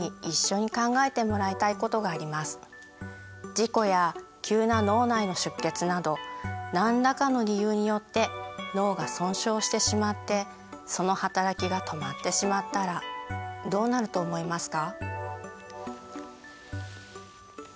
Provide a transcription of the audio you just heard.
事故や急な脳内の出血など何らかの理由によって脳が損傷してしまってその働きが止まってしまったらどうなると思いますか？